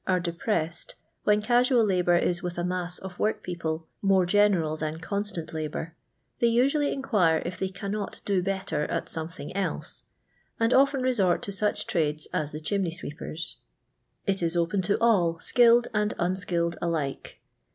arc depressed, when casual labour is with a mass of workpeople more general than constant lab. ur. they naturally inquire if they canLot do better at something else," and often resort to si:cit trades as tlie chimney sweepers*. It is oj«en tP [LONDON LABOUR AND THE LONDON POOR. 377 all, skilled and unskilled alike.